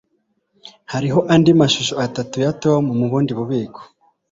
Hariho andi mashusho atatu ya Tom mubundi bubiko